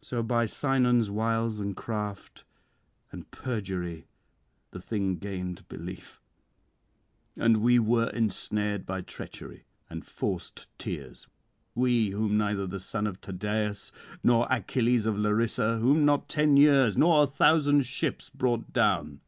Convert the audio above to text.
'So by Sinon's wiles and craft and perjury the thing gained belief; and we were ensnared by treachery and forced tears, we whom neither the son of Tydeus nor Achilles of Larissa, whom not ten years nor a thousand ships brought down.